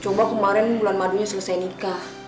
coba kemarin bulan madunya selesai nikah